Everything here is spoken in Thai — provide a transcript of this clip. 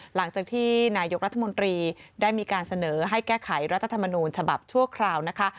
หลังจากที่นายกรัฐมนตรีได้มีการเสนอให้แก้ไขรัฐธรรมนูญฉบับชั่วคราวนะคะ